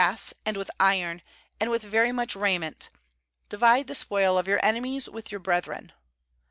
287 22 S JOSHUA and with iron, and with very much raiment; divide the spoil of your enemies with your brethren.'